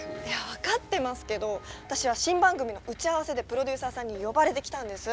分かってますけど私は新番組の打ち合わせでプロデューサーさんに呼ばれて来たんです！